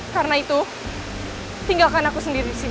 karena itu tinggalkan aku sendiri disini